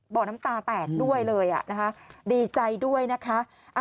น้ำตาแตกด้วยเลยนะคะดีใจด้วยนะคะ